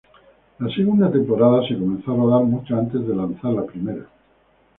La segunda temporada se comenzó a rodar mucho antes de lanzar la primera.